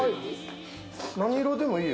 何色でもいい？